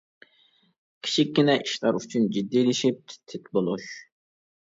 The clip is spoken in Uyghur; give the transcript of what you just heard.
كىچىككىنە ئىشلار ئۈچۈن جىددىيلىشىپ، تىت-تىت بولۇش.